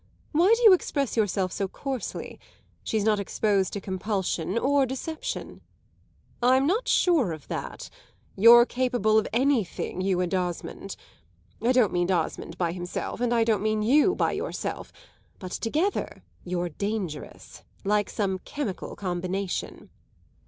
Why do you express yourself so coarsely? She's not exposed to compulsion or deception." "I'm not sure of that. You're capable of anything, you and Osmond. I don't mean Osmond by himself, and I don't mean you by yourself. But together you're dangerous like some chemical combination."